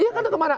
iya kan kemana